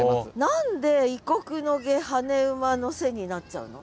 何で「異国の夏跳ね馬の背」になっちゃうの？